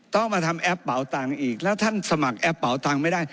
ต้องมาทำแอปเป่าตังค์อีกแล้วท่านสมัครแอปเป่าตังค์ไม่ได้